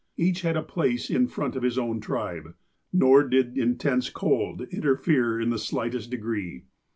Each had a place in front of his own tribe. Nor did intense cold interfere in the slightest degree.